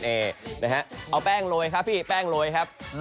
เอาแป้งโรยครับพี่แป้งโรยครับ